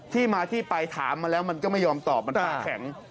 ที่มาที่ไปถามมาแล้วมันก็ไม่ยอมตอบมันตาแข็ง